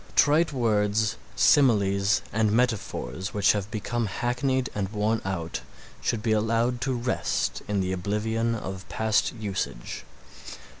Trite words, similes and metaphors which have become hackneyed and worn out should be allowed to rest in the oblivion of past usage.